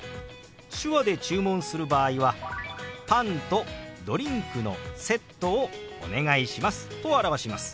手話で注文する場合は「パンとドリンクのセットをお願いします」と表します。